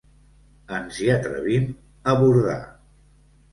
Ens hi atrevim, a bordar.